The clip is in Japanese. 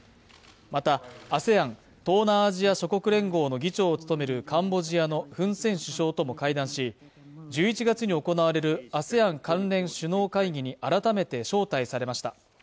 またＡＳＥＡＮ東南アジア諸国連合の議長を務めるカンボジアのフン・セン首相とも会談し１１月に行われるＡＳＥＡＮ関連首脳会議に改めて招待されました